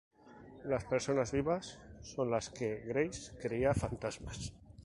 Las personas vivas son las que Grace creía fantasmas.